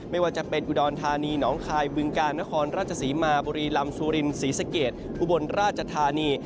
ไม่ว่าจะเป็นอุดรธานีหนองคายบึงกาลนครราชศรีมาบุรีลำซูรินศรีสะเกดอุบลราชธานี